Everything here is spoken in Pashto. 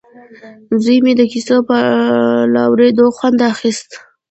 زوی مې د کیسو له اورېدو خوند اخیست